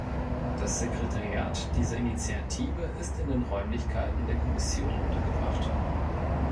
Das Sekretariat dieser Initiative ist in den Räumlichkeiten der Kommission untergebracht.